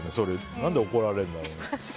何で怒られるんだろうね。